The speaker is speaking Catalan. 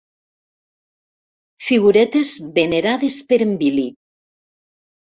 Figuretes venerades per en Billy.